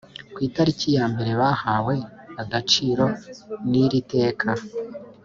ku itariki ya mbere bahawe agaciro n iri teka